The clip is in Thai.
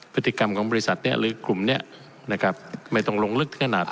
พฤติกรรมของบริษัทนี้หรือกลุ่มนี้นะครับไม่ต้องลงลึกขนาด